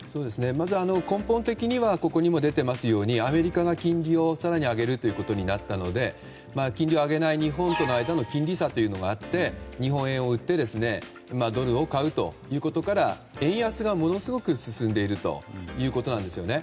まず根本的にはここにも出ていますようにアメリカが金利を更に上げるということになったので金利を上げない日本との間の金利差というのがあって日本円を売ってドルを買うということから円安がものすごく進んでいるということなんですね。